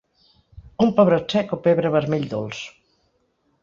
Un pebrot sec o pebre vermell dolç.